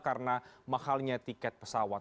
karena mahalnya tiket pesawat